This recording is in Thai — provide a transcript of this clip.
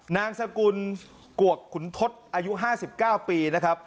นางสกุลกวกขุนทศอายุ๕๙ปีนะครับ